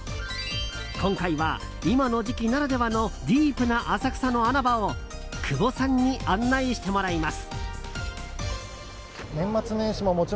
今回は、今の時期ならではのディープな浅草の穴場を久保さんに案内してもらいます。